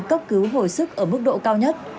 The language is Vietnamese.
cấp cứu hồi sức ở mức độ cao nhất